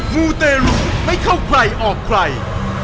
มูเตรุไม่เข้าใครออกใคร